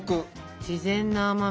自然な甘み。